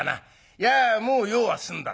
いやもう用は済んだんだ。